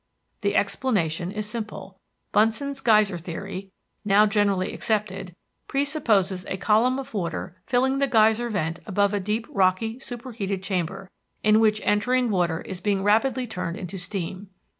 The explanation is simple. Bunsen's geyser theory, now generally accepted, presupposes a column of water filling the geyser vent above a deep rocky superheated chamber, in which entering water is being rapidly turned into steam.